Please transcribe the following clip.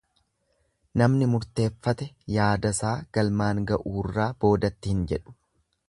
Namni murteeffate yaadasaa galmaan ga'uurraa boodatti hin jedhu.